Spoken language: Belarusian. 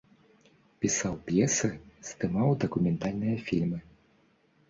Пісаў п'есы, здымаў дакументальныя фільмы.